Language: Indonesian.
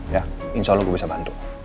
ya insya allah gue bisa bantu